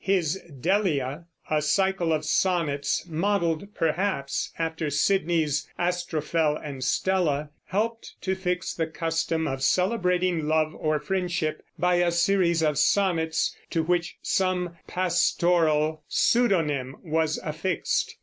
His Delia, a cycle of sonnets modeled, perhaps, after Sidney's Astrophel and Stella, helped to fix the custom of celebrating love or friendship by a series of sonnets, to which some pastoral pseudonym was affixed.